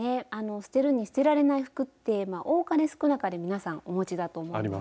捨てるに捨てられない服って多かれ少なかれ皆さんお持ちだと思うので。